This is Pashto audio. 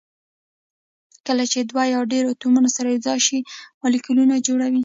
کله چې دوه یا ډیر اتومونه سره یو ځای شي مالیکول جوړوي